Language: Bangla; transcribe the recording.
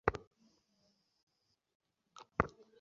তিনি উত্তর সিরিয়ায় অন্তর্গত আর-রাক্কা শহরে বসবাস করতেন।